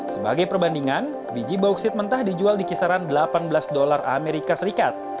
sebagai perbandingan biji bauksit mentah dijual di kisaran delapan belas dolar amerika serikat